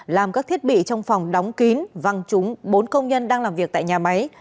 làm các thiết bị trong phòng đóng kín văng trúng bốn công nhân đang làm việc tại nhà máy